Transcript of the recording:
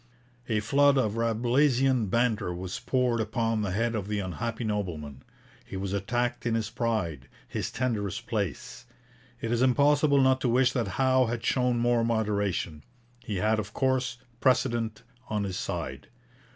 A flood of Rabelaisian banter was poured upon the head of the unhappy nobleman. He was attacked in his pride, his tenderest place. It is impossible not to wish that Howe had shown more moderation. He had, of course, precedent on his side.